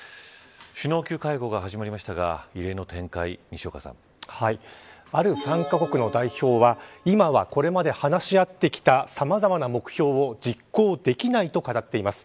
首脳級会合が始まりましたがある参加国の代表は今は、これまで話し合ってきたさまざまな目標を実行できないと語っています。